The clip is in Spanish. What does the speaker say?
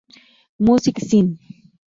Music Scene.